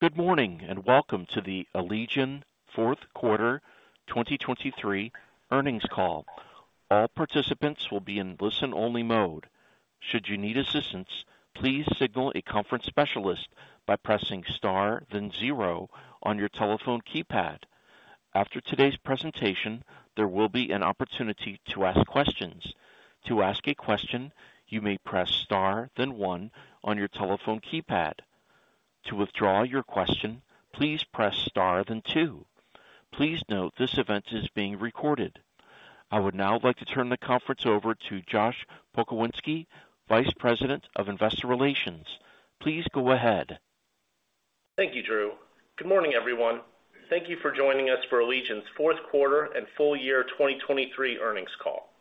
Good morning, and welcome to the Allegion fourth quarter 2023 earnings call. All participants will be in listen-only mode. Should you need assistance, please signal a conference specialist by pressing Star, then zero on your telephone keypad. After today's presentation, there will be an opportunity to ask questions. To ask a question, you may press Star, then one on your telephone keypad. To withdraw your question, please press Star, then two. Please note this event is being recorded. I would now like to turn the conference over to Josh Pokrzywinski, Vice President of Investor Relations. Please go ahead. Thank you, Drew. Good morning, everyone. Thank you for joining us for Allegion's fourth quarter and full year 2023 earnings call.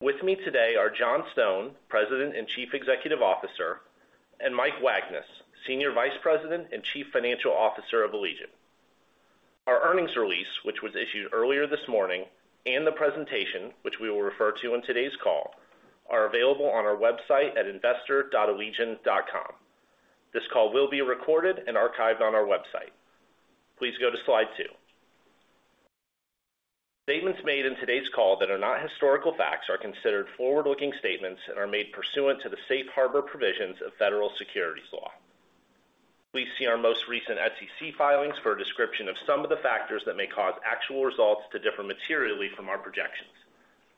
With me today are John Stone, President and Chief Executive Officer, and Mike Wagnes, Senior Vice President and Chief Financial Officer of Allegion. Our earnings release, which was issued earlier this morning, and the presentation, which we will refer to on today's call, are available on our website at investor.allegion.com. This call will be recorded and archived on our website. Please go to slide two. Statements made in today's call that are not historical facts are considered forward-looking statements and are made pursuant to the safe harbor provisions of Federal Securities Law. Please see our most recent SEC filings for a description of some of the factors that may cause actual results to differ materially from our projections.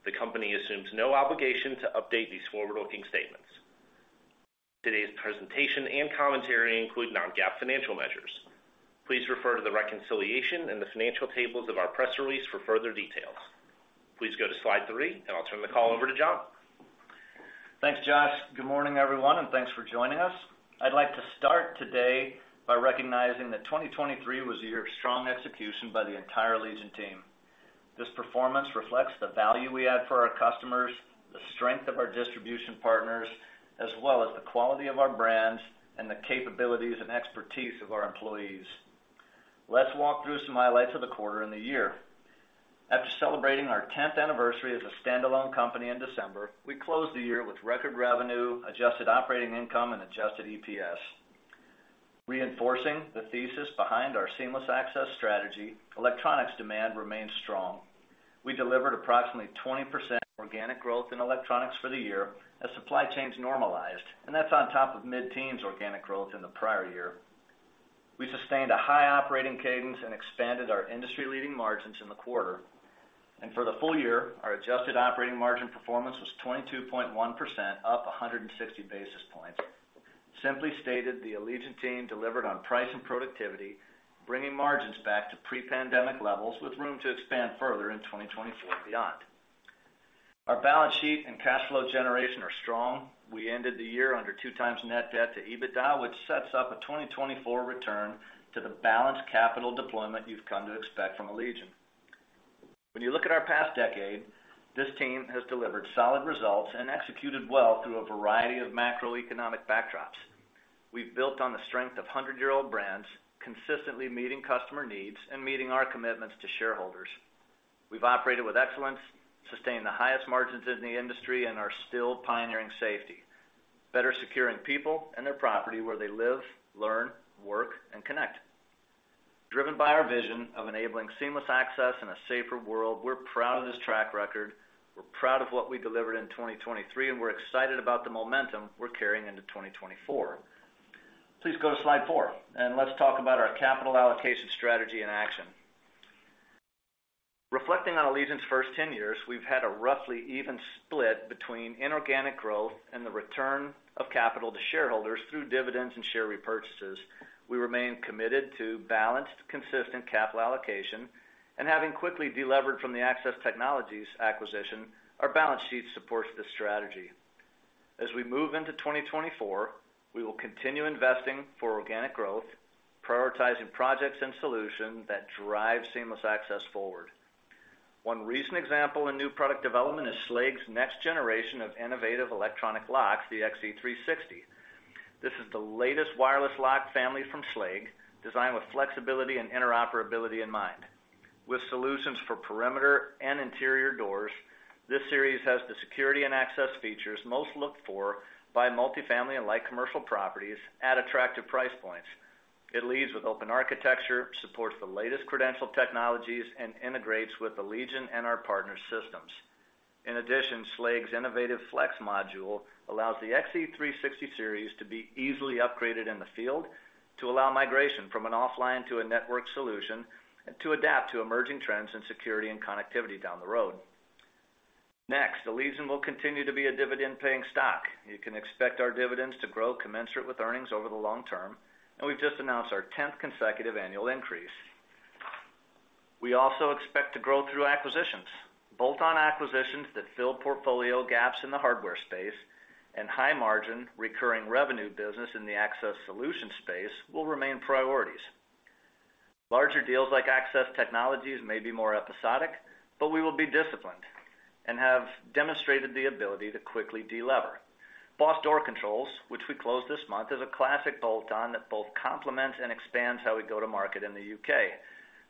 The company assumes no obligation to update these forward-looking statements. Today's presentation and commentary include non-GAAP financial measures. Please refer to the reconciliation in the financial tables of our press release for further details. Please go to slide three, and I'll turn the call over to John. Thanks, Josh. Good morning, everyone, and thanks for joining us. I'd like to start today by recognizing that 2023 was a year of strong execution by the entire Allegion team. This performance reflects the value we add for our customers, the strength of our distribution partners, as well as the quality of our brands and the capabilities and expertise of our employees. Let's walk through some highlights of the quarter and the year. After celebrating our 10th anniversary as a standalone company in December, we closed the year with record revenue, adjusted operating income, and adjusted EPS. Reinforcing the thesis behind our seamless access strategy, electronics demand remains strong. We delivered approximately 20% organic growth in electronics for the year as supply chains normalized, and that's on top of mid-teens organic growth in the prior year. We sustained a high operating cadence and expanded our industry-leading margins in the quarter, and for the full year, our adjusted operating margin performance was 22.1%, up 160 basis points. Simply stated, the Allegion team delivered on price and productivity, bringing margins back to pre-pandemic levels, with room to expand further in 2024 and beyond. Our balance sheet and cash flow generation are strong. We ended the year under 2x net debt to EBITDA, which sets up a 2024 return to the balanced capital deployment you've come to expect from Allegion. When you look at our past decade, this team has delivered solid results and executed well through a variety of macroeconomic backdrops. We've built on the strength of 100-year-old brands, consistently meeting customer needs and meeting our commitments to shareholders. We've operated with excellence, sustained the highest margins in the industry, and are still pioneering safety, better securing people and their property where they live, learn, work, and connect. Driven by our vision of enabling seamless access in a safer world, we're proud of this track record, we're proud of what we delivered in 2023, and we're excited about the momentum we're carrying into 2024. Please go to slide four, and let's talk about our capital allocation strategy in action. Reflecting on Allegion's first 10 years, we've had a roughly even split between inorganic growth and the return of capital to shareholders through dividends and share repurchases. We remain committed to balanced, consistent capital allocation, and having quickly delevered from the Access Technologies acquisition, our balance sheet supports this strategy. As we move into 2024, we will continue investing for organic growth, prioritizing projects and solutions that drive seamless access forward. One recent example in new product development is Schlage's next generation of innovative electronic locks, the XE360. This is the latest wireless lock family from Schlage, designed with flexibility and interoperability in mind. With solutions for perimeter and interior doors, this series has the security and access features most looked for by multifamily and light commercial properties at attractive price points. It leads with open architecture, supports the latest credential technologies, and integrates with Allegion and our partner systems. In addition, Schlage's innovative Flex Module allows the XE360 Series to be easily upgraded in the field to allow migration from an offline to a network solution and to adapt to emerging trends in security and connectivity down the road. Next, Allegion will continue to be a dividend-paying stock. You can expect our dividends to grow commensurate with earnings over the long term, and we've just announced our tenth consecutive annual increase. We also expect to grow through acquisitions. Bolt-on acquisitions that fill portfolio gaps in the hardware space and high-margin, recurring revenue business in the access solutions space will remain priorities. Larger deals like Access Technologies may be more episodic, but we will be disciplined and have demonstrated the ability to quickly delever. Boss Door Controls, which we closed this month, is a classic bolt-on that both complements and expands how we go to market in the UK.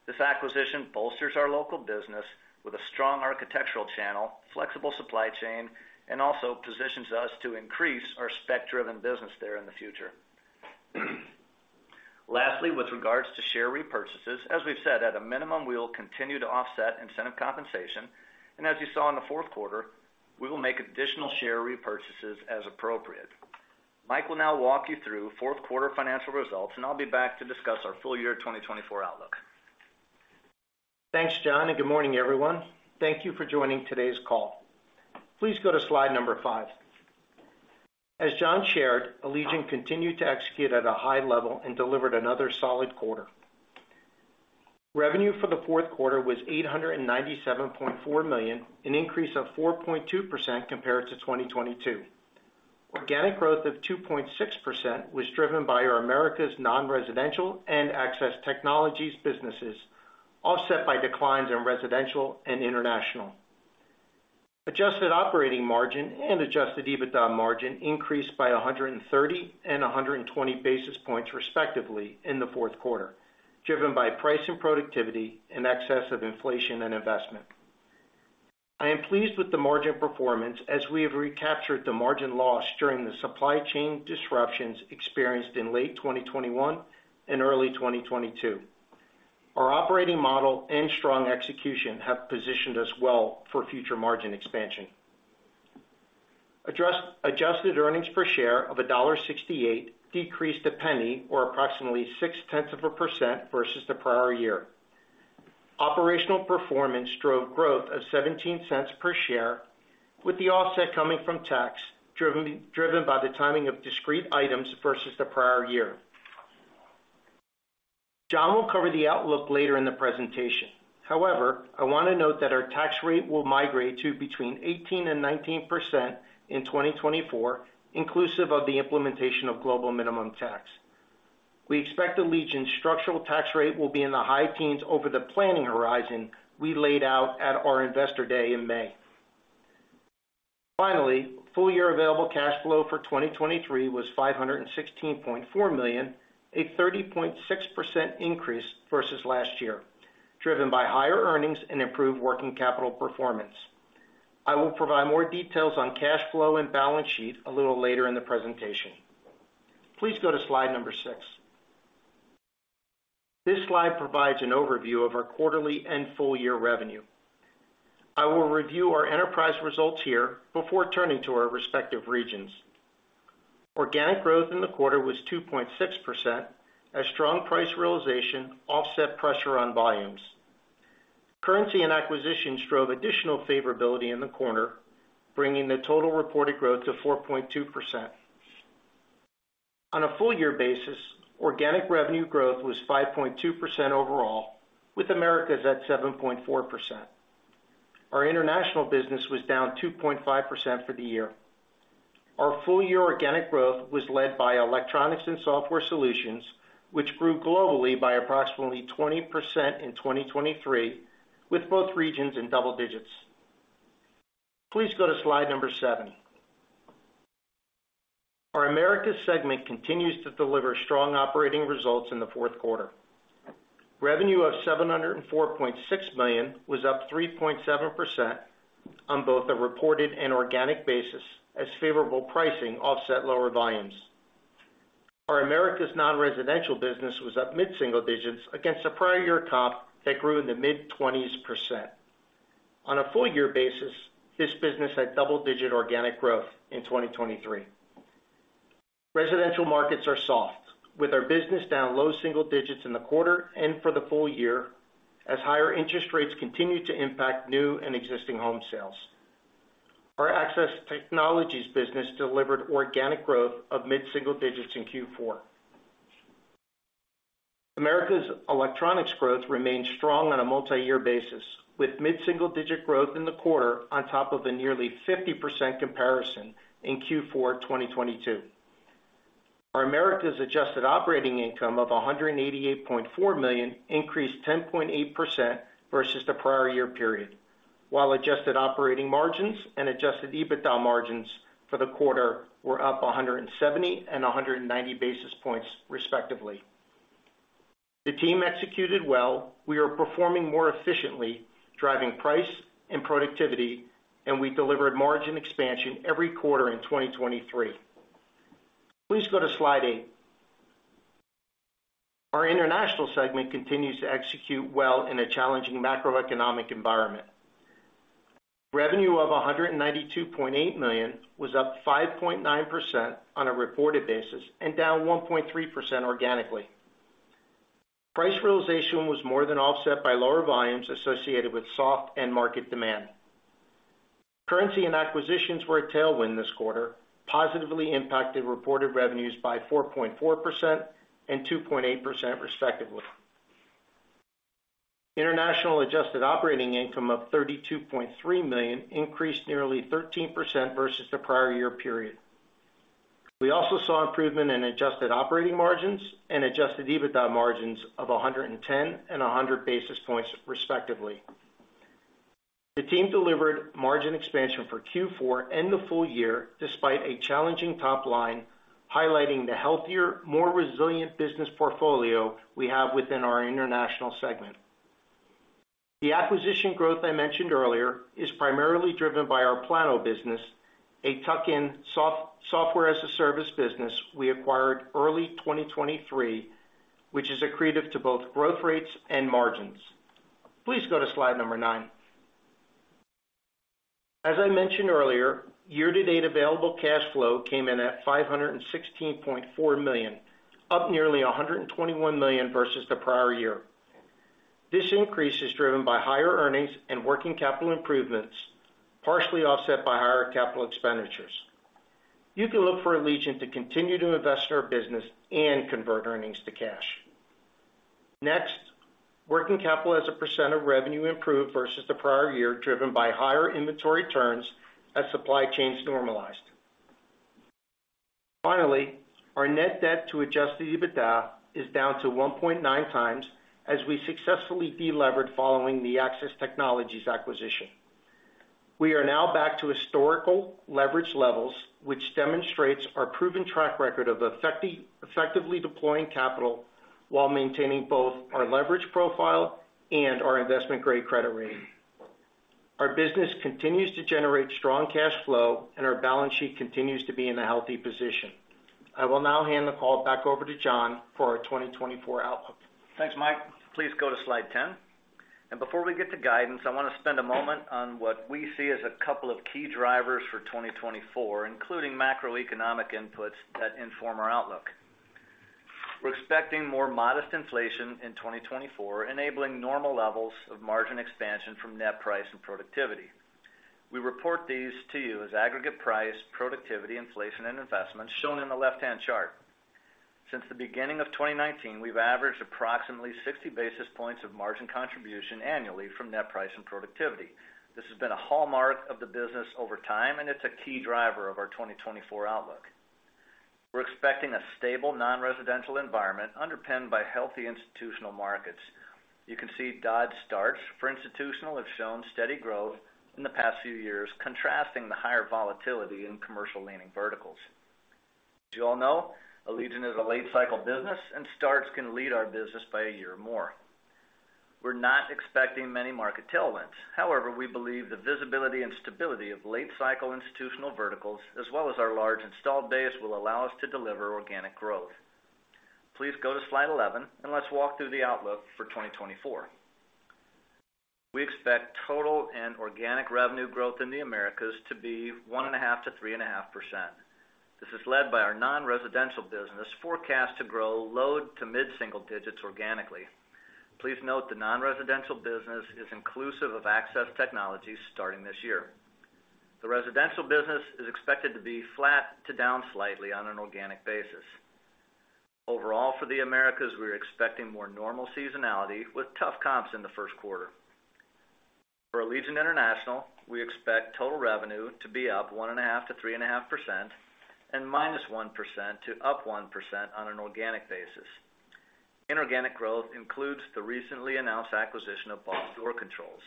This acquisition bolsters our local business with a strong architectural channel, flexible supply chain, and also positions us to increase our spec-driven business there in the future. Lastly, with regards to share repurchases, as we've said, at a minimum, we will continue to offset incentive compensation, and as you saw in the fourth quarter, we will make additional share repurchases as appropriate. Mike will now walk you through fourth quarter financial results, and I'll be back to discuss our full year 2024 outlook. Thanks, John, and good morning, everyone. Thank you for joining today's call. Please go to slide number five. As John shared, Allegion continued to execute at a high level and delivered another solid quarter. Revenue for the fourth quarter was $897.4 million, an increase of 4.2% compared to 2022. Organic growth of 2.6% was driven by our Americas Non-Residential and Access Technologies businesses, offset by declines in Residential and International. Adjusted operating margin and adjusted EBITDA margin increased by 130 and 120 basis points, respectively, in the fourth quarter, driven by price and productivity in excess of inflation and investment. I am pleased with the margin performance as we have recaptured the margin loss during the supply chain disruptions experienced in late 2021 and early 2022. Our operating model and strong execution have positioned us well for future margin expansion. As-adjusted earnings per share of $1.68 decreased $0.01, or approximately 0.6% versus the prior year. Operational performance drove growth of $0.17 per share, with the offset coming from tax, driven by the timing of discrete items versus the prior year. John will cover the outlook later in the presentation. However, I want to note that our tax rate will migrate to between 18% and 19% in 2024, inclusive of the implementation of global minimum tax. We expect Allegion's structural tax rate will be in the high teens over the planning horizon we laid out at our Investor Day in May. Finally, full year available cash flow for 2023 was $516.4 million, a 30.6% increase versus last year, driven by higher earnings and improved working capital performance. I will provide more details on cash flow and balance sheet a little later in the presentation. Please go to slide number six. This slide provides an overview of our quarterly and full year revenue. I will review our enterprise results here before turning to our respective regions. Organic growth in the quarter was 2.6%, as strong price realization offset pressure on volumes. Currency and acquisitions drove additional favorability in the quarter, bringing the total reported growth to 4.2%. On a full year basis, organic revenue growth was 5.2% overall, with Americas at 7.4%. Our international business was down 2.5% for the year. Our full year organic growth was led by Electronics and Software Solutions, which grew globally by approximately 20% in 2023, with both regions in double digits. Please go to slide number seven. Our Americas segment continues to deliver strong operating results in the fourth quarter. Revenue of $704.6 million was up 3.7% on both a reported and organic basis, as favorable pricing offset lower volumes. Our Americas Non-Residential business was up mid-single digits against a prior year comp that grew in the mid-20s%. On a full year basis, this business had double-digit organic growth in 2023. Residential markets are soft, with our business down low single digits in the quarter and for the full year, as higher interest rates continue to impact new and existing home sales. Our Access Technologies business delivered organic growth of mid-single digits in Q4. Americas Electronics growth remained strong on a multiyear basis, with mid-single-digit growth in the quarter on top of a nearly 50% comparison in Q4 2022. Our Americas adjusted operating income of $188.4 million increased 10.8% versus the prior year period, while adjusted operating margins and adjusted EBITDA margins for the quarter were up 170 and 190 basis points, respectively. The team executed well. We are performing more efficiently, driving price and productivity, and we delivered margin expansion every quarter in 2023. Please go to slide eight. Our International segment continues to execute well in a challenging macroeconomic environment. Revenue of $192.8 million was up 5.9% on a reported basis and down 1.3% organically. Price realization was more than offset by lower volumes associated with soft end market demand. Currency and acquisitions were a tailwind this quarter, positively impacted reported revenues by 4.4% and 2.8%, respectively. International adjusted operating income of $32.3 million increased nearly 13% versus the prior year period. We also saw improvement in adjusted operating margins and adjusted EBITDA margins of 110 and 100 basis points, respectively. The team delivered margin expansion for Q4 and the full year, despite a challenging top line, highlighting the healthier, more resilient business portfolio we have within our international segment. The acquisition growth I mentioned earlier is primarily driven by our Plano business, a tuck-in software as a service business we acquired early 2023, which is accretive to both growth rates and margins. Please go to slide number nine. As I mentioned earlier, year-to-date available cash flow came in at $516.4 million, up nearly $121 million versus the prior year. This increase is driven by higher earnings and working capital improvements, partially offset by higher capital expenditures. You can look for Allegion to continue to invest in our business and convert earnings to cash. Next, working capital as a % of revenue improved versus the prior year, driven by higher inventory turns as supply chains normalized. Finally, our net debt to Adjusted EBITDA is down to 1.9x, as we successfully delevered following the Access Technologies acquisition. We are now back to historical leverage levels, which demonstrates our proven track record of effectively deploying capital while maintaining both our leverage profile and our investment-grade credit rating. Our business continues to generate strong cash flow, and our balance sheet continues to be in a healthy position. I will now hand the call back over to John for our 2024 outlook. Thanks, Mike. Please go to slide 10. Before we get to guidance, I want to spend a moment on what we see as a couple of key drivers for 2024, including macroeconomic inputs that inform our outlook. We're expecting more modest inflation in 2024, enabling normal levels of margin expansion from net price and productivity. We report these to you as aggregate price, productivity, inflation, and investments, shown in the left-hand chart. Since the beginning of 2019, we've averaged approximately 60 basis points of margin contribution annually from net price and productivity. This has been a hallmark of the business over time, and it's a key driver of our 2024 outlook. We're expecting a stable, Non-Residential environment underpinned by healthy institutional markets. You can see Dodge Starts for institutional have shown steady growth in the past few years, contrasting the higher volatility in commercial-leaning verticals. As you all know, Allegion is a late-cycle business, and starts can lead our business by a year or more. We're not expecting many market tailwinds. However, we believe the visibility and stability of late-cycle institutional verticals, as well as our large installed base, will allow us to deliver organic growth. Please go to slide 11, and let's walk through the outlook for 2024. We expect total and organic revenue growth in the Americas to be 1.5%-3.5%. This is led by our non-residential business, forecast to grow low to mid-single digits organically. Please note, the non-residential business is inclusive of Access Technologies starting this year. The residential business is expected to be flat to down slightly on an organic basis. Overall, for the Americas, we're expecting more normal seasonality with tough comps in the first quarter. For Allegion International, we expect total revenue to be up 1.5%-3.5% and -1% to 1% on an organic basis. Inorganic growth includes the recently announced acquisition of Boss Door Controls.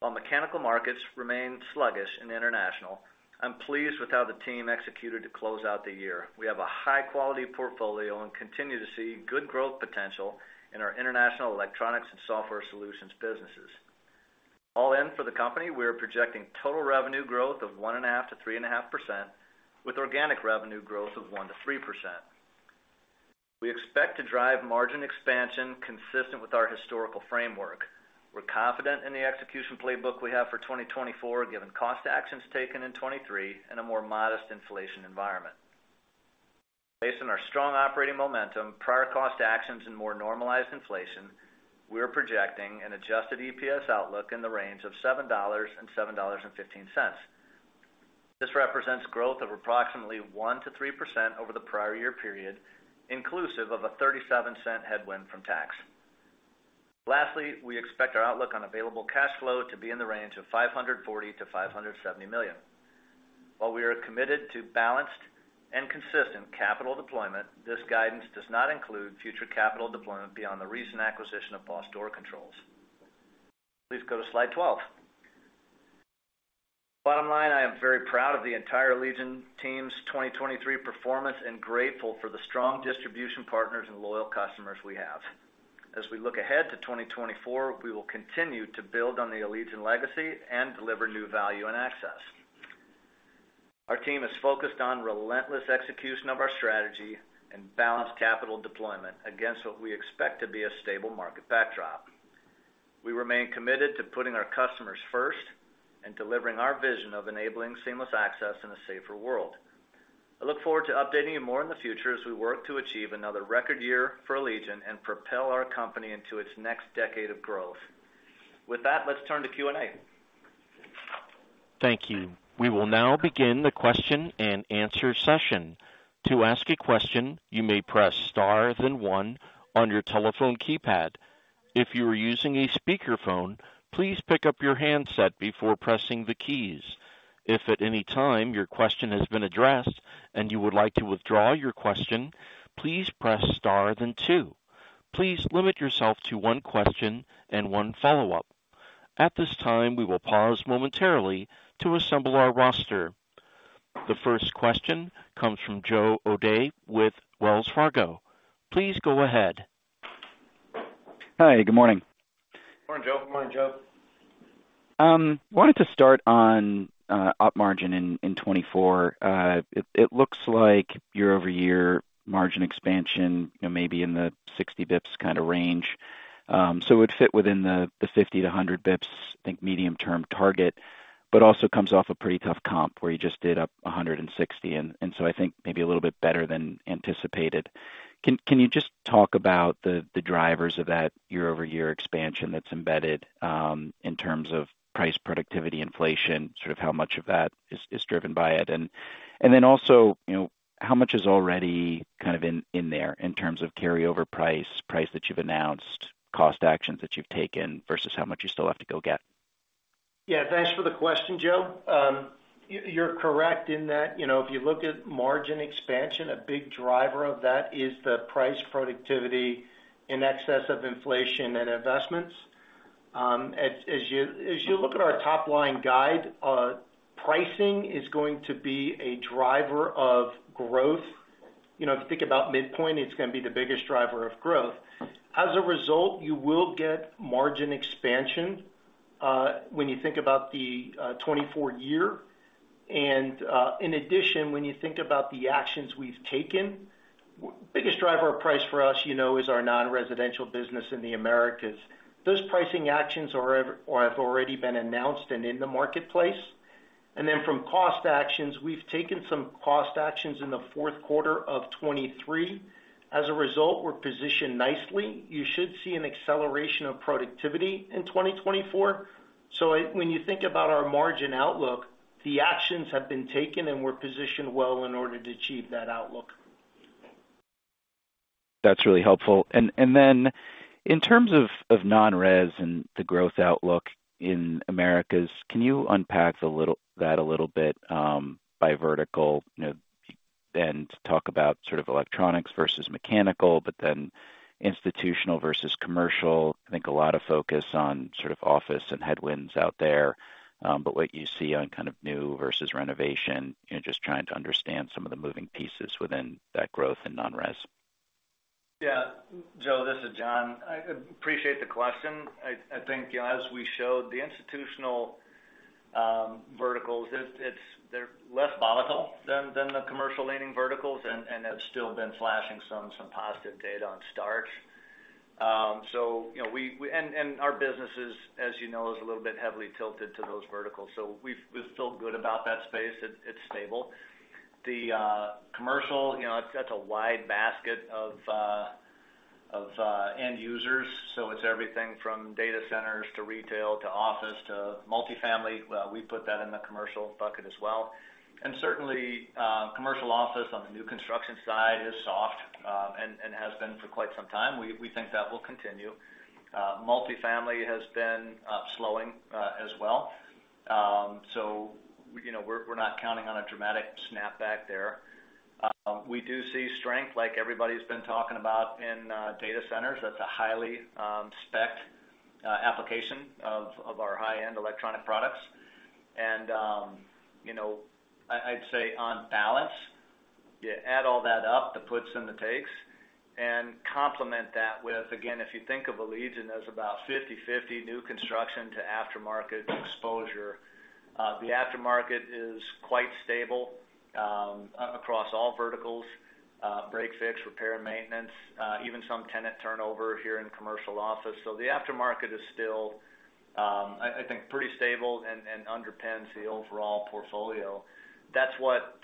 While mechanical markets remain sluggish in international, I'm pleased with how the team executed to close out the year. We have a high-quality portfolio and continue to see good growth potential in our international electronics and software solutions businesses. All in for the company, we are projecting total revenue growth of 1.5%-3.5%, with organic revenue growth of 1%-3%. We expect to drive margin expansion consistent with our historical framework. We're confident in the execution playbook we have for 2024, given cost actions taken in 2023 and a more modest inflation environment. Based on our strong operating momentum, prior cost actions, and more normalized inflation, we are projecting an Adjusted EPS outlook in the range of $7.00-$7.15. This represents growth of approximately 1%-3% over the prior year period, inclusive of a $0.37 headwind from tax. Lastly, we expect our outlook on available cash flow to be in the range of $540 million-$570 million. While we are committed to balanced and consistent capital deployment, this guidance does not include future capital deployment beyond the recent acquisition of Boss Door Controls. Please go to slide 12. Bottom line, I am very proud of the entire Allegion team's 2023 performance and grateful for the strong distribution partners and loyal customers we have. As we look ahead to 2024, we will continue to build on the Allegion legacy and deliver new value and access. Our team is focused on relentless execution of our strategy and balanced capital deployment against what we expect to be a stable market backdrop. We remain committed to putting our customers first and delivering our vision of enabling seamless access in a safer world. I look forward to updating you more in the future as we work to achieve another record year for Allegion and propel our company into its next decade of growth. With that, let's turn to Q&A. Thank you. We will now begin the question and answer session. To ask a question, you may press star, then one on your telephone keypad. If you are using a speakerphone, please pick up your handset before pressing the keys. If at any time your question has been addressed and you would like to withdraw your question, please press star, then two.... Please limit yourself to one question and one follow-up. At this time, we will pause momentarily to assemble our roster. The first question comes from Joe O'Dea with Wells Fargo. Please go ahead. Hi, good morning. Good morning, Joe. Good morning, Joe. Wanted to start on op margin in 2024. It looks like year-over-year margin expansion, you know, maybe in the 60 basis points kind of range. So it would fit within the 50-100 basis points, I think, medium-term target, but also comes off a pretty tough comp where you just did up 160, and so I think maybe a little bit better than anticipated. Can you just talk about the drivers of that year-over-year expansion that's embedded in terms of price, productivity, inflation, sort of how much of that is driven by it? And then also, you know, how much is already kind of in there in terms of carryover price, price that you've announced, cost actions that you've taken, versus how much you still have to go get? Yeah, thanks for the question, Joe. You're correct in that, you know, if you look at margin expansion, a big driver of that is the price productivity in excess of inflation and investments. As you look at our top-line guide, pricing is going to be a driver of growth. You know, if you think about midpoint, it's going to be the biggest driver of growth. As a result, you will get margin expansion when you think about the 2024 year. And in addition, when you think about the actions we've taken, biggest driver of price for us, you know, is our Non-Residential business in the Americas. Those pricing actions are or have already been announced and in the marketplace. And then from cost actions, we've taken some cost actions in the fourth quarter of 2023. As a result, we're positioned nicely. You should see an acceleration of productivity in 2024. So when you think about our margin outlook, the actions have been taken, and we're positioned well in order to achieve that outlook. That's really helpful. And, and then in terms of, of non-res and the growth outlook in Americas, can you unpack a little—that a little bit, by vertical, you know, and talk about sort of electronics versus mechanical, but then institutional versus commercial? I think a lot of focus on sort of office and headwinds out there, but what you see on kind of new versus renovation, you know, just trying to understand some of the moving pieces within that growth in non-res. Yeah. Joe, this is John. I appreciate the question. I think, you know, as we showed the institutional verticals, they're less volatile than the commercial-leaning verticals and have still been flashing some positive data on starts. So, you know, our business is, as you know, a little bit heavily tilted to those verticals. So we're still good about that space. It's stable. The commercial, you know, it's got a wide basket of end users, so it's everything from data centers to retail, to office, to multifamily. We put that in the commercial bucket as well. And certainly, commercial office on the new construction side is soft and has been for quite some time. We think that will continue. Multifamily has been slowing as well. So, you know, we're not counting on a dramatic snapback there. We do see strength like everybody's been talking about in data centers. That's a highly speced application of our high-end electronic products. And, you know, I'd say on balance, you add all that up, the puts and the takes, and complement that with... Again, if you think of Allegion, there's about 50/50 new construction to aftermarket exposure. The aftermarket is quite stable across all verticals, break fix, repair and maintenance, even some tenant turnover here in commercial office. So the aftermarket is still, I think, pretty stable and underpins the overall portfolio. That's what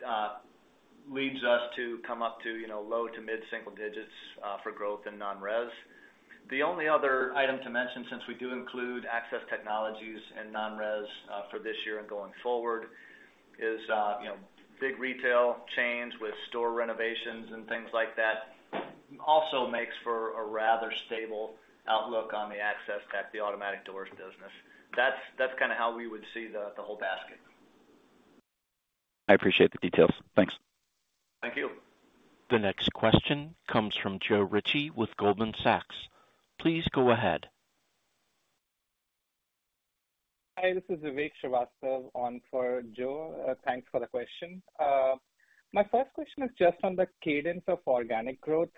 leads us to come up to, you know, low to mid single digits for growth in non-res. The only other item to mention, since we do include Access Technologies and non-res for this year and going forward, is, you know, big retail chains with store renovations and things like that, also makes for a rather stable outlook on the access at the automatic doors business. That's kind of how we would see the whole basket. I appreciate the details. Thanks. Thank you. The next question comes from Joe Ritchie with Goldman Sachs. Please go ahead. Hi, this is Vivek Srivastava on for Joe. Thanks for the question. My first question is just on the cadence of organic growth.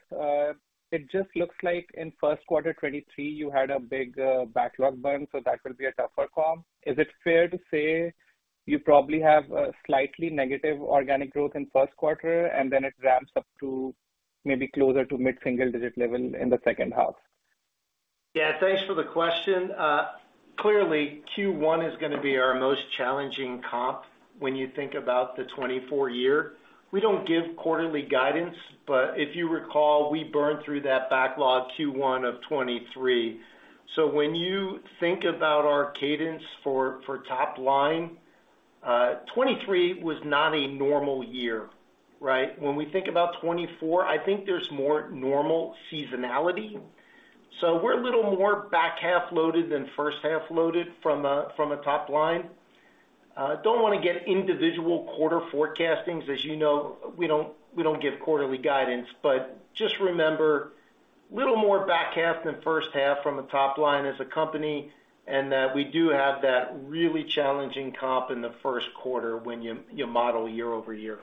It just looks like in first quarter 2023, you had a big backlog burn, so that will be a tougher comp. Is it fair to say you probably have a slightly negative organic growth in first quarter, and then it ramps up to maybe closer to mid-single digit level in the second half? Yeah, thanks for the question. Clearly, Q1 is gonna be our most challenging comp when you think about the 2024 year. We don't give quarterly guidance, but if you recall, we burned through that backlog Q1 of 2023. So when you think about our cadence for top line, 2023 was not a normal year, right? When we think about 2024, I think there's more normal seasonality. So we're a little more back-half loaded than first-half loaded from a top line. Don't wanna get individual quarter forecasting. As you know, we don't give quarterly guidance. But just remember, little more back half than first half from a top line as a company, and that we do have that really challenging comp in the first quarter when you model year-over-year.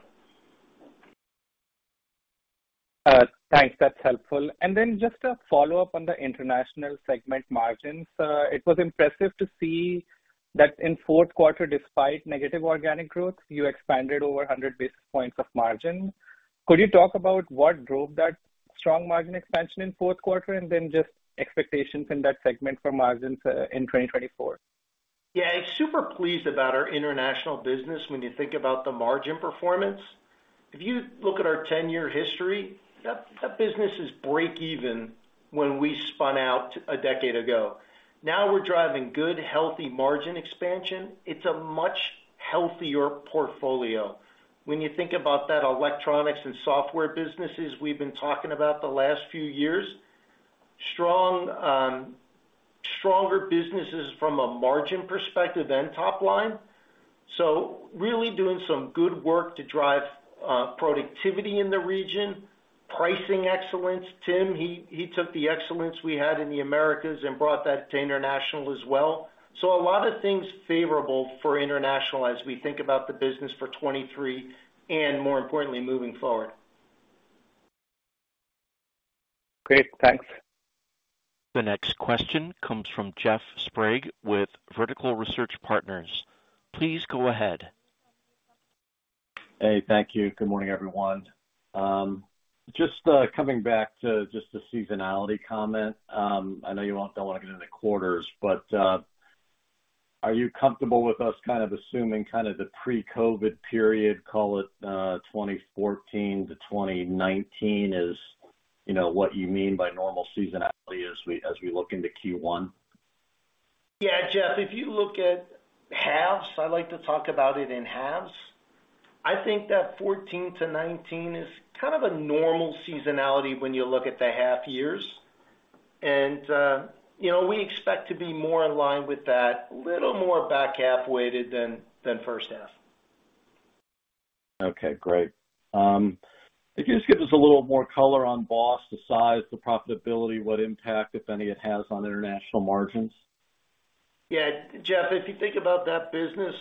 Thanks. That's helpful. And then just a follow-up on the international segment margins. It was impressive to see that in fourth quarter, despite negative organic growth, you expanded over 100 basis points of margin. Could you talk about what drove that strong margin expansion in fourth quarter, and then just expectations in that segment for margins, in 2024? Yeah, super pleased about our international business when you think about the margin performance. If you look at our 10-year history, that, that business is breakeven when we spun out a decade ago. Now we're driving good, healthy margin expansion. It's a much healthier portfolio. When you think about that, electronics and software businesses we've been talking about the last few years, strong, stronger businesses from a margin perspective and top line. So really doing some good work to drive productivity in the region. Pricing excellence. Tim, he, he took the excellence we had in the Americas and brought that to international as well. So a lot of things favorable for international as we think about the business for 2023, and more importantly, moving forward. Great. Thanks. The next question comes from Jeff Sprague with Vertical Research Partners. Please go ahead. Hey, thank you. Good morning, everyone. Just, coming back to just the seasonality comment, I know you won't—don't wanna get into quarters, but, are you comfortable with us kind of assuming kind of the pre-COVID period, call it, 2014 to 2019, is, you know, what you mean by normal seasonality as we look into Q1? Yeah, Jeff, if you look at halves, I like to talk about it in halves. I think that 14-19 is kind of a normal seasonality when you look at the half years. And, you know, we expect to be more in line with that, a little more back half-weighted than first half. Okay, great. If you just give us a little more color on Boss, the size, the profitability, what impact, if any, it has on international margins? Yeah, Jeff, if you think about that business,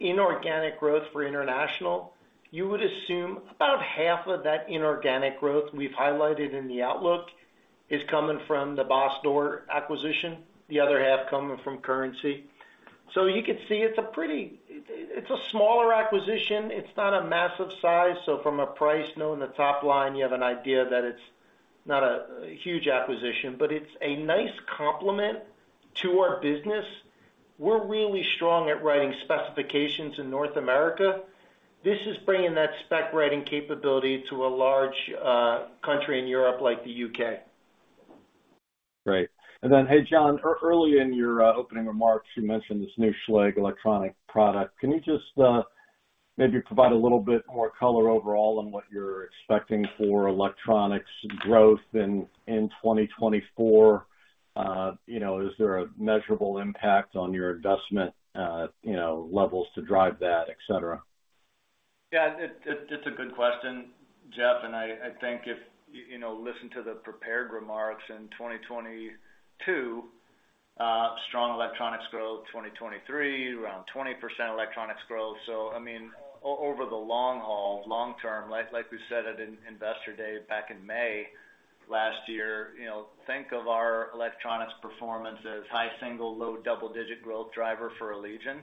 inorganic growth for international, you would assume about half of that inorganic growth we've highlighted in the outlook is coming from the Boss Door Controls acquisition, the other half coming from currency. So you could see it's a pretty, it's a smaller acquisition. It's not a massive size, so from a price point on the top line, you have an idea that it's not a huge acquisition, but it's a nice complement to our business. We're really strong at writing specifications in North America. This is bringing that spec writing capability to a large country in Europe, like the U.K. Great. And then, hey, John, early in your opening remarks, you mentioned this new Schlage electronic product. Can you just maybe provide a little bit more color overall on what you're expecting for electronics growth in 2024? You know, is there a measurable impact on your investment levels to drive that, et cetera? Yeah, it's a good question, Jeff, and I think if you know, listen to the prepared remarks in 2022, strong electronics growth, 2023, around 20% electronics growth. So I mean, over the long haul, long term, like we said at Investor Day back in May last year, you know, think of our electronics performance as high single, low double-digit growth driver for Allegion.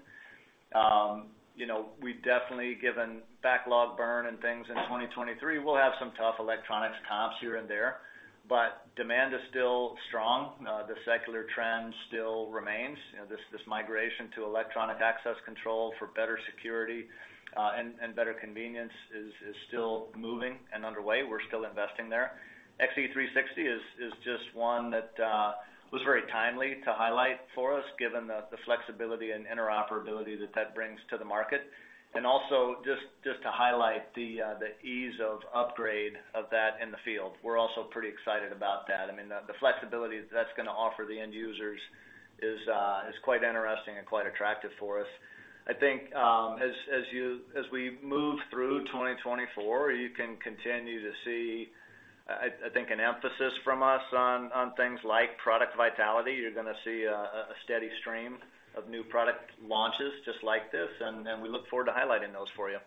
You know, we've definitely given backlog burn and things in 2023. We'll have some tough electronics comps here and there, but demand is still strong. The secular trend still remains. You know, this migration to electronic access control for better security, and better convenience is still moving and underway. We're still investing there. XE360 is just one that was very timely to highlight for us, given the flexibility and interoperability that that brings to the market. And also just to highlight the ease of upgrade of that in the field. We're also pretty excited about that. I mean, the flexibility that's gonna offer the end users is quite interesting and quite attractive for us. I think, as we move through 2024, you can continue to see, I think, an emphasis from us on things like product vitality. You're gonna see a steady stream of new product launches just like this, and we look forward to highlighting those for you.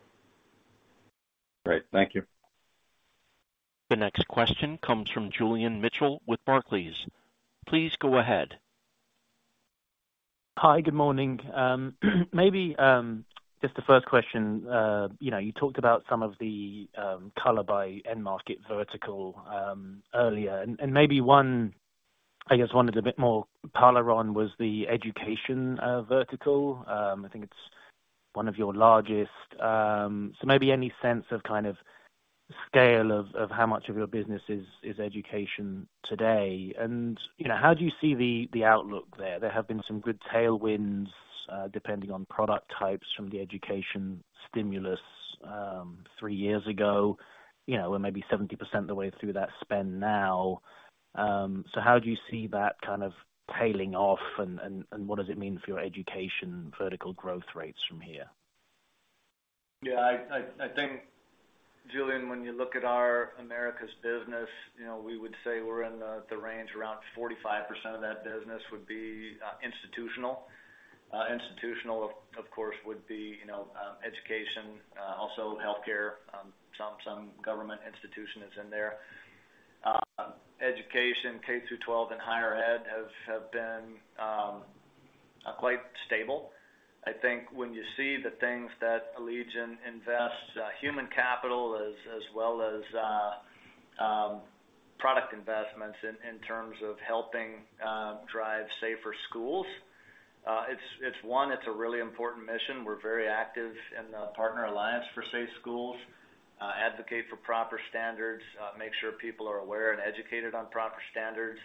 Great. Thank you. The next question comes from Julian Mitchell with Barclays. Please go ahead. Hi, good morning. Maybe just the first question. You know, you talked about some of the color by end market vertical earlier, and, and maybe one, I guess, one that a bit more color on was the education vertical. I think it's one of your largest. So maybe any sense of kind of scale of how much of your business is education today? And, you know, how do you see the outlook there? There have been some good tailwinds.... depending on product types from the education stimulus, three years ago, you know, we're maybe 70% of the way through that spend now. So how do you see that kind of tailing off, and what does it mean for your education vertical growth rates from here? Yeah, I think, Julian, when you look at our Americas business, you know, we would say we're in the range around 45% of that business would be institutional. Institutional, of course, would be, you know, education, also healthcare, some government institution is in there. Education, K through 12 and higher ed have been quite stable. I think when you see the things that Allegion invests, human capital as well as product investments in terms of helping drive safer schools, it's a really important mission. We're very active in the Partner Alliance for Safe Schools, advocate for proper standards, make sure people are aware and educated on proper standards.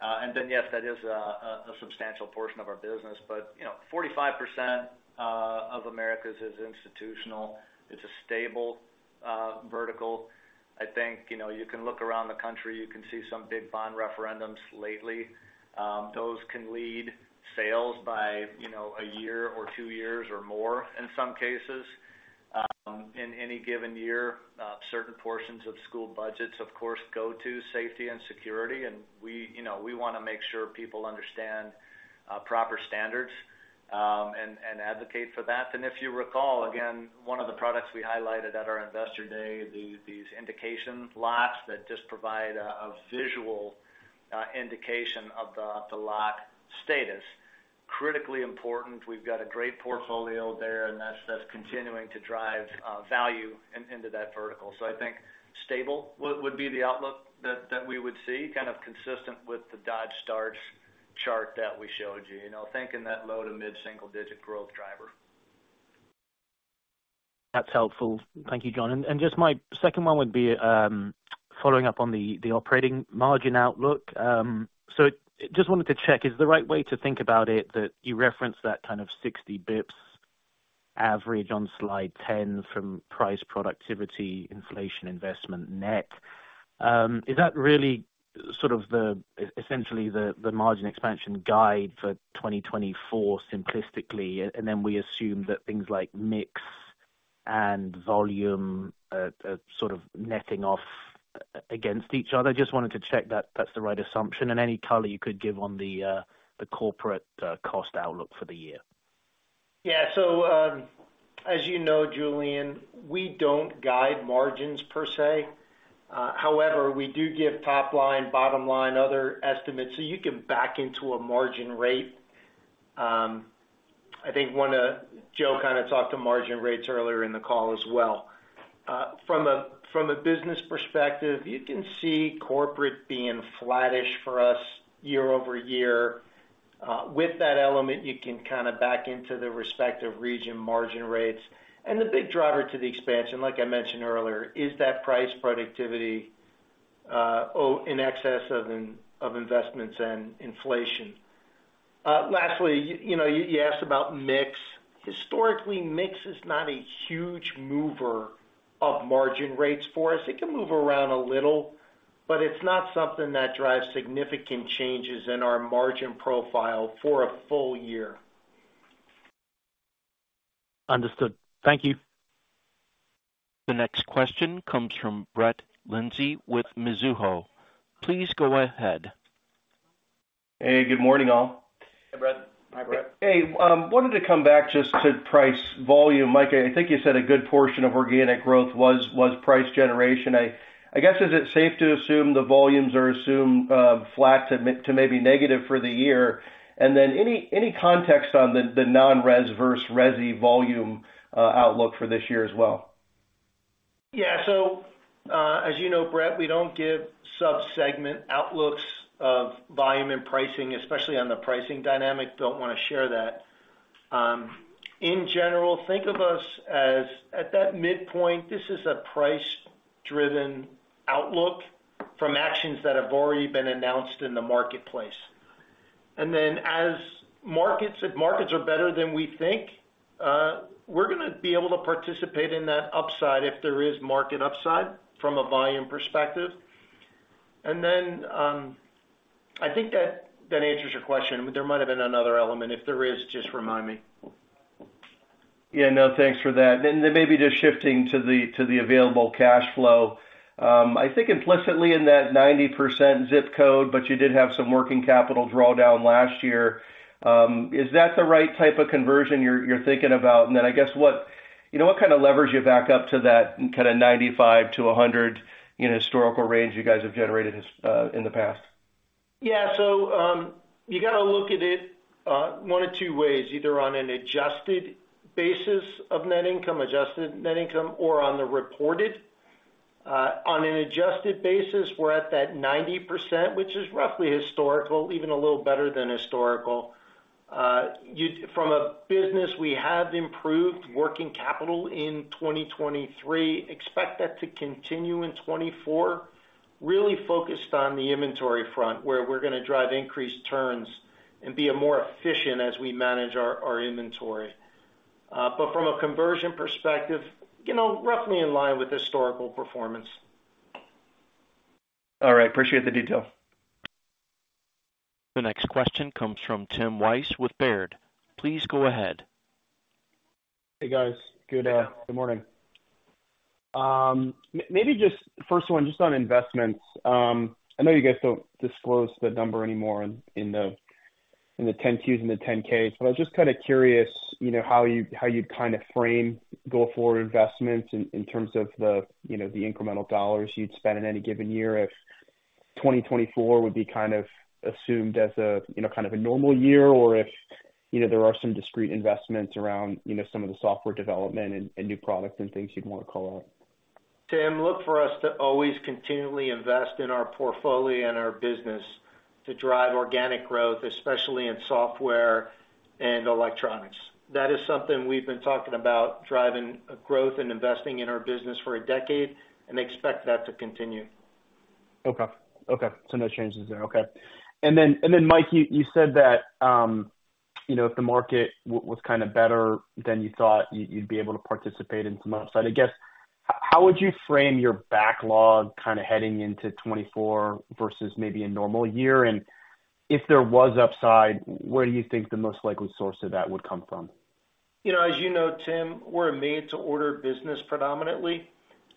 And then, yes, that is a, a substantial portion of our business, but, you know, 45% of Americas is institutional. It's a stable vertical. I think, you know, you can look around the country, you can see some big bond referendums lately. Those can lead sales by, you know, a year or two years or more, in some cases. In any given year, certain portions of school budgets, of course, go to safety and security, and we, you know, we wanna make sure people understand proper standards, and advocate for that. And if you recall, again, one of the products we highlighted at our Investor Day, these indication locks that just provide a, a visual indication of the, of the lock status. Critically important, we've got a great portfolio there, and that's continuing to drive value into that vertical. So I think stable would be the outlook that we would see, kind of consistent with the Dodge Starts chart that we showed you. You know, think in that low to mid-single-digit growth driver. That's helpful. Thank you, John. And just my second one would be, following up on the operating margin outlook. So just wanted to check, is the right way to think about it that you referenced that kind of 60 basis points average on slide 10 from price productivity, inflation, investment net? Is that really sort of essentially the margin expansion guide for 2024, simplistically, and then we assume that things like mix and volume sort of netting off against each other? Just wanted to check that that's the right assumption, and any color you could give on the corporate cost outlook for the year. Yeah. So, as you know, Julian, we don't guide margins per se. However, we do give top line, bottom line, other estimates, so you can back into a margin rate. I think one of... Joe kind of talked to margin rates earlier in the call as well. From a business perspective, you can see corporate being flattish for us year-over-year. With that element, you can kind of back into the respective region margin rates. And the big driver to the expansion, like I mentioned earlier, is that price productivity in excess of investments and inflation. Lastly, you know, you asked about mix. Historically, mix is not a huge mover of margin rates for us. It can move around a little, but it's not something that drives significant changes in our margin profile for a full year. Understood. Thank you. The next question comes from Brett Linzey with Mizuho. Please go ahead. Hey, good morning, all. Hey, Brett. Hi, Brett. Hey, wanted to come back just to price volume. Mike, I think you said a good portion of organic growth was, was price generation. I, I guess, is it safe to assume the volumes are assumed, flat to mid- to maybe negative for the year? And then any, any context on the, the non-res versus resi volume, outlook for this year as well? Yeah. So, as you know, Brett, we don't give sub-segment outlooks of volume and pricing, especially on the pricing dynamic. Don't want to share that. In general, think of us as at that midpoint, this is a price-driven outlook from actions that have already been announced in the marketplace. And then as markets... If markets are better than we think, we're gonna be able to participate in that upside if there is market upside from a volume perspective. And then, I think that that answers your question, but there might have been another element. If there is, just remind me. Yeah. No, thanks for that. Then maybe just shifting to the available cash flow. I think implicitly in that 90% zip code, but you did have some working capital drawdown last year. Is that the right type of conversion you're thinking about? And then I guess what, you know, what kind of leverage you back up to that kind of 95%-100% in historical range you guys have generated, in the past? Yeah. So, you got to look at it, one of two ways, either on an adjusted basis of net income, adjusted net income, or on the reported. On an adjusted basis, we're at that 90%, which is roughly historical, even a little better than historical. From a business, we have improved working capital in 2023. Expect that to continue in 2024. Really focused on the inventory front, where we're gonna drive increased turns and be more efficient as we manage our inventory. But from a conversion perspective, you know, roughly in line with historical performance. All right. Appreciate the detail. The next question comes from Tim Wojs with Baird. Please go ahead. Hey, guys. Good morning. Maybe just first one, just on investments. I know you guys don't disclose the number anymore in the 10-Qs and the 10-Ks, but I was just kind of curious, you know, how you'd kind of frame go-forward investments in terms of the, you know, the incremental dollars you'd spend in any given year, if 2024 would be kind of assumed as a, you know, kind of a normal year, or if, you know, there are some discrete investments around, you know, some of the software development and new products and things you'd want to call out. Tim, look for us to always continually invest in our portfolio and our business to drive organic growth, especially in software and electronics. That is something we've been talking about, driving, growth and investing in our business for a decade, and expect that to continue. Okay. Okay, so no changes there. Okay. And then, Mike, you said that, you know, if the market was kind of better than you thought, you'd be able to participate in some upside. I guess, how would you frame your backlog kind of heading into 2024 versus maybe a normal year? And if there was upside, where do you think the most likely source of that would come from? You know, as you know, Tim, we're a made-to-order business predominantly.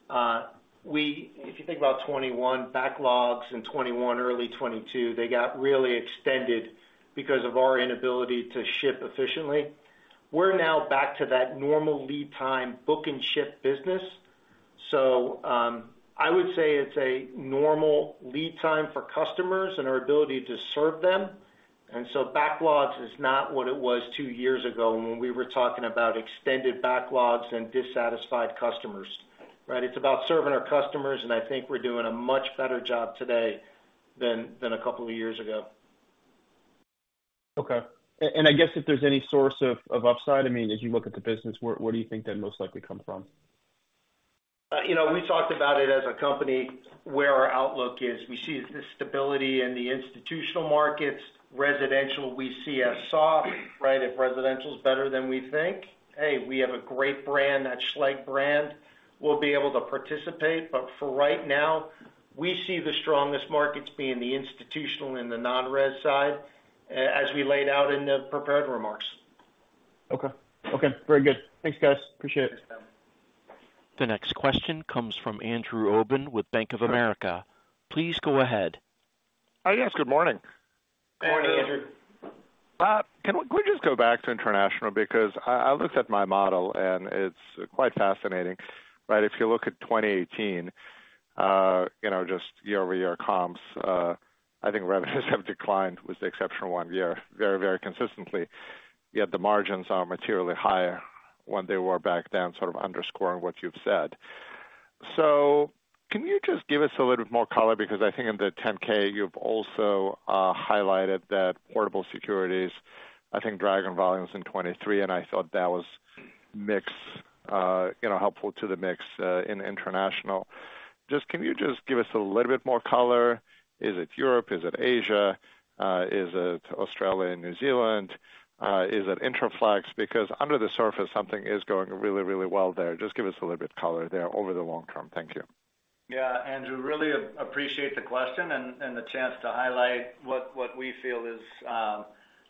If you think about 2021 backlogs in 2021, early 2022, they got really extended because of our inability to ship efficiently. We're now back to that normal lead time, book and ship business. So, I would say it's a normal lead time for customers and our ability to serve them, and so backlogs is not what it was two years ago when we were talking about extended backlogs and dissatisfied customers, right? It's about serving our customers, and I think we're doing a much better job today than a couple of years ago. Okay. And I guess if there's any source of upside, I mean, as you look at the business, where do you think that most likely comes from? You know, we talked about it as a company, where our outlook is. We see the stability in the institutional markets. Residential, we see as soft, right? If residential is better than we think, hey, we have a great brand. That Schlage brand will be able to participate, but for right now, we see the strongest markets being the institutional and the non-res side, as we laid out in the prepared remarks. Okay. Okay, very good. Thanks, guys. Appreciate it. Thanks, Tim. The next question comes from Andrew Obin with Bank of America. Please go ahead. Hi, guys. Good morning. Good morning, Andrew. Can we just go back to international? Because I looked at my model, and it's quite fascinating, right? If you look at 2018, you know, just year-over-year comps, I think revenues have declined, with the exception of one year, very, very consistently. Yet the margins are materially higher when they were back then, sort of underscoring what you've said. So can you just give us a little bit more color? Because I think in the 10-K, you've also highlighted that Portable Securities, I think, driving volumes in 2023, and I thought that was mix, you know, helpful to the mix in international. Just... Can you just give us a little bit more color? Is it Europe? Is it Asia? Is it Australia and New Zealand? Is it Interflex? Because under the surface, something is going really, really well there. Just give us a little bit of color there over the long term. Thank you. Yeah, Andrew, really appreciate the question and the chance to highlight what we feel is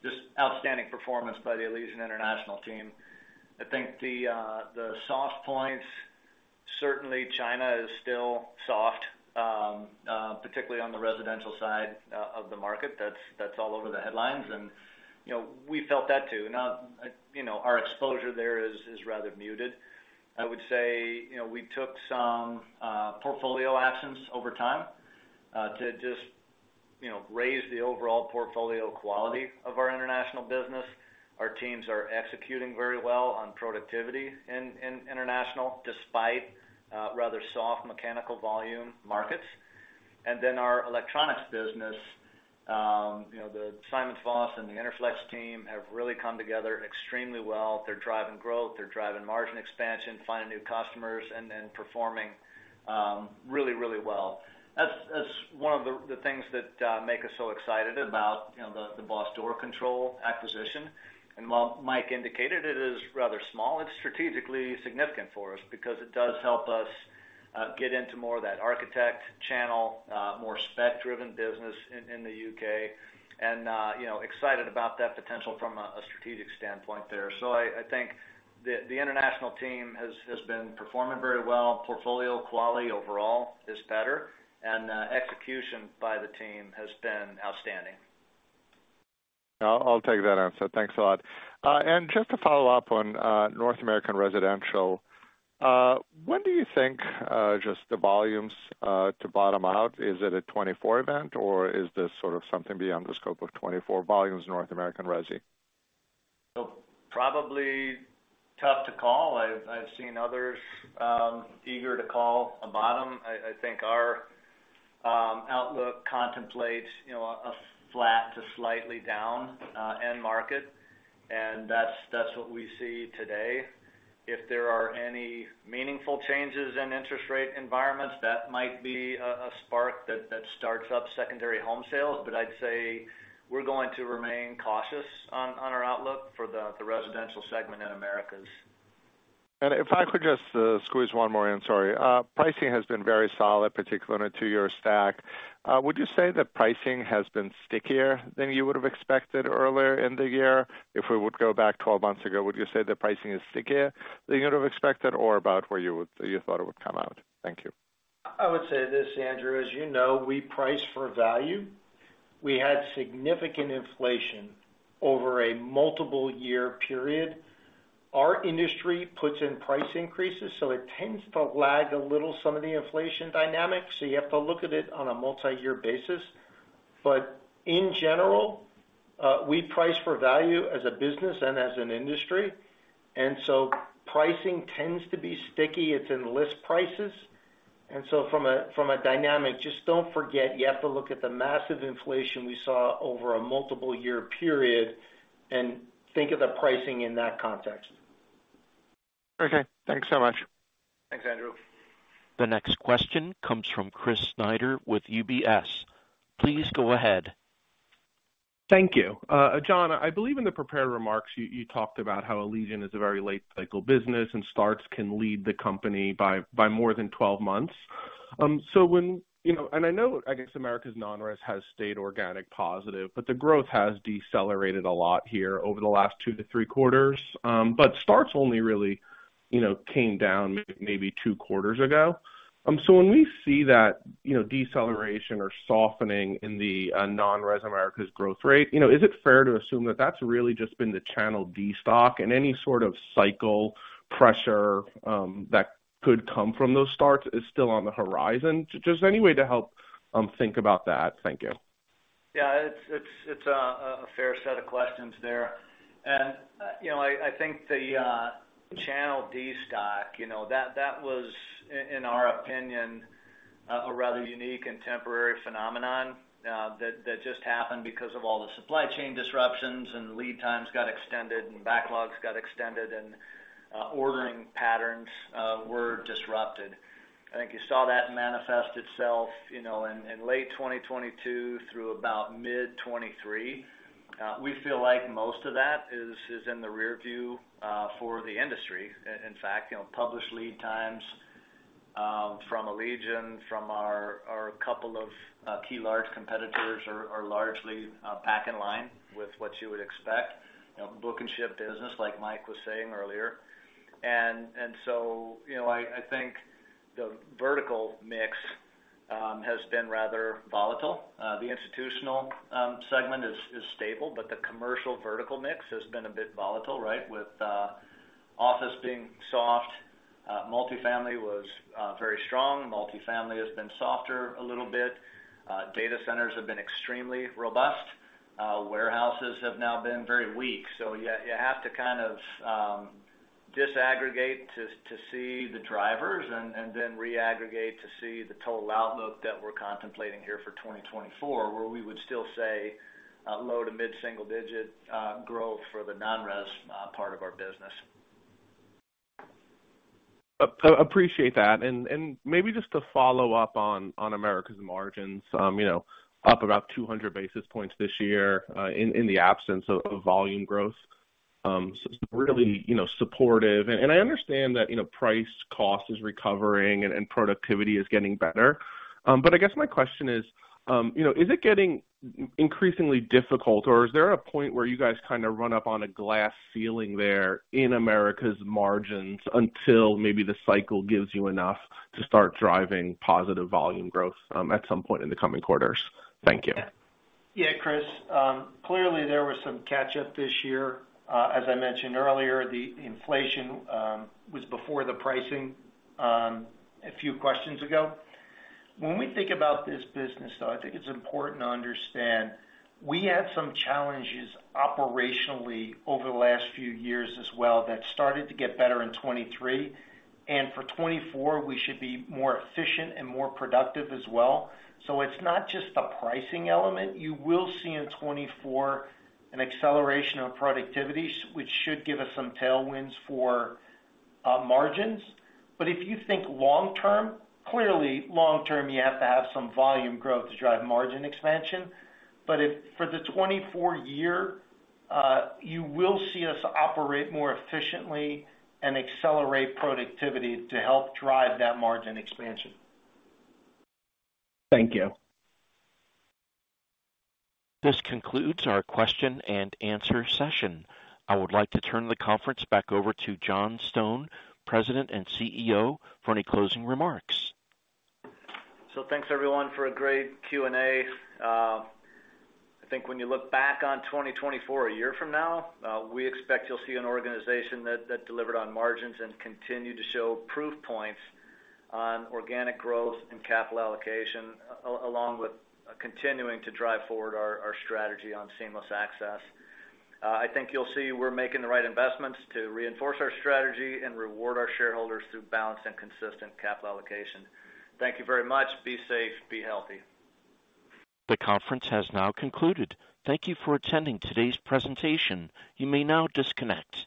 just outstanding performance by the Allegion International team. I think the soft points, certainly China is still soft, particularly on the residential side of the market. That's all over the headlines, and you know, we felt that, too. Now, you know, our exposure there is rather muted. I would say, you know, we took some portfolio actions over time to just you know, raise the overall portfolio quality of our international business. Our teams are executing very well on productivity in international, despite rather soft mechanical volume markets. And then our electronics business, you know, the SimonsVoss and the Interflex team have really come together extremely well. They're driving growth, they're driving margin expansion, finding new customers, and then performing really, really well. That's one of the things that make us so excited about, you know, the Boss Door Controls acquisition. And while Mike indicated it is rather small, it's strategically significant for us because it does help us get into more of that architect channel, more spec-driven business in the UK. And you know, excited about that potential from a strategic standpoint there. So I think the international team has been performing very well. Portfolio quality overall is better, and execution by the team has been outstanding. I'll take that answer. Thanks a lot. Just to follow up on North American Residential, when do you think just the volumes to bottom out? Is it a 2024 event, or is this sort of something beyond the scope of 2024 volumes in North American resi? Probably tough to call. I've seen others eager to call a bottom. I think our outlook contemplates, you know, a flat to slightly down end market, and that's what we see today... If there are any meaningful changes in interest rate environments, that might be a spark that starts up secondary home sales. But I'd say we're going to remain cautious on our outlook for the residential segment in Americas. And if I could just, squeeze one more in, sorry. Pricing has been very solid, particularly in a two-year stack. Would you say that pricing has been stickier than you would have expected earlier in the year? If we would go back 12 months ago, would you say the pricing is stickier than you would have expected, or about where you would- you thought it would come out? Thank you. I would say this, Andrew. As you know, we price for value. We had significant inflation over a multiple year period. Our industry puts in price increases, so it tends to lag a little some of the inflation dynamics, so you have to look at it on a multi-year basis. But in general, we price for value as a business and as an industry, and so pricing tends to be sticky. It's in list prices. And so from a, from a dynamic, just don't forget, you have to look at the massive inflation we saw over a multiple year period and think of the pricing in that context. Okay, thanks so much. Thanks, Andrew. The next question comes from Chris Snyder with UBS. Please go ahead. Thank you. John, I believe in the prepared remarks, you, you talked about how Allegion is a very late cycle business, and starts can lead the company by, by more than 12 months. So when you know, and I know, I guess, Americas non-res has stayed organic positive, but the growth has decelerated a lot here over the last 2-3 quarters. But starts only really, you know, came down maybe 2 quarters ago. So when we see that, you know, deceleration or softening in the, uh, non-res Americas growth rate, you know, is it fair to assume that that's really just been the channel destock and any sort of cycle pressure that could come from those starts is still on the horizon? Just any way to help think about that. Thank you. Yeah, it's a fair set of questions there. And, you know, I think the channel destock, you know, that was, in our opinion, a rather unique and temporary phenomenon, that just happened because of all the supply chain disruptions and lead times got extended and backlogs got extended and, ordering patterns were disrupted. I think you saw that manifest itself, you know, in late 2022 through about mid-2023. We feel like most of that is in the rearview for the industry. In fact, you know, published lead times from Allegion, from our couple of key large competitors are largely back in line with what you would expect. You know, book and ship business, like Mike was saying earlier. You know, I think the vertical mix has been rather volatile. The institutional segment is stable, but the commercial vertical mix has been a bit volatile, right? With office being soft, multifamily was very strong. Multifamily has been softer a little bit. Data centers have been extremely robust. Warehouses have now been very weak. So you have to kind of disaggregate to see the drivers and then reaggregate to see the total outlook that we're contemplating here for 2024, where we would still say low to mid-single digit growth for the non-res part of our business. Appreciate that. And maybe just to follow up on Americas margins, you know, up about 200 basis points this year, in the absence of volume growth. So it's really, you know, supportive. And I understand that, you know, price-cost is recovering and productivity is getting better. But I guess my question is, you know, is it getting increasingly difficult, or is there a point where you guys kind of run up on a glass ceiling there in Americas margins until maybe the cycle gives you enough to start driving positive volume growth, at some point in the coming quarters? Thank you. Yeah, Chris. Clearly there was some catch up this year. As I mentioned earlier, the inflation was before the pricing a few questions ago. When we think about this business, though, I think it's important to understand we had some challenges operationally over the last few years as well, that started to get better in 2023, and for 2024, we should be more efficient and more productive as well. So it's not just the pricing element. You will see in 2024 an acceleration of productivity, which should give us some tailwinds for margins. But if you think long term, clearly long term, you have to have some volume growth to drive margin expansion. But if for the 2024 year, you will see us operate more efficiently and accelerate productivity to help drive that margin expansion. Thank you. This concludes our question and answer session. I would like to turn the conference back over to John Stone, President and CEO, for any closing remarks. So thanks, everyone, for a great Q&A. I think when you look back on 2024, a year from now, we expect you'll see an organization that delivered on margins and continued to show proof points on organic growth and capital allocation, along with continuing to drive forward our strategy on seamless access. I think you'll see we're making the right investments to reinforce our strategy and reward our shareholders through balanced and consistent capital allocation. Thank you very much. Be safe, be healthy. The conference has now concluded. Thank you for attending today's presentation. You may now disconnect.